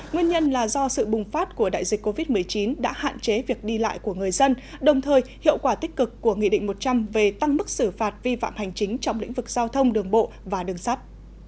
nguyên nhân là do sự bùng phát của đại dịch covid một mươi chín đã hạn chế việc đi lại của người dân đồng thời hiệu quả tích cực của nghị định một trăm linh về tăng mức xử phạt vi phạm hành chính trong lĩnh vực giao thông đường bộ và đường sắp